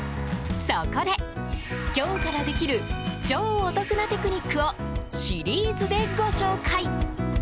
そこで、今日からできる超お得なテクニックをシリーズでご紹介。